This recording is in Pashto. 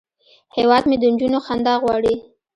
هیواد مې د نجونو خندا غواړي